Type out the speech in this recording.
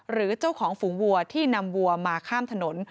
หรือเจ้าของฝูงวัวที่นำวัวมาข้ามถนน